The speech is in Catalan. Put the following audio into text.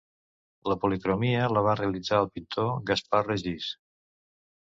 La policromia la va realitzar el pintor Gaspar Ragis.